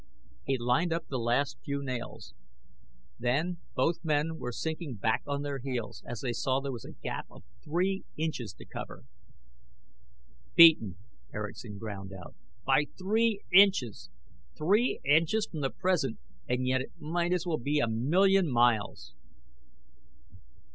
He lined up the last few nails. Then both men were sinking back on their heels, as they saw there was a gap of three inches to cover! "Beaten!" Erickson ground out. "By three inches! Three inches from the present ... and yet it might as well be a million miles!"